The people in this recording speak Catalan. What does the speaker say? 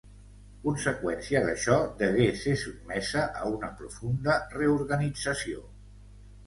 Conseqüència d'això, degué ser sotmesa a una profunda reorganització.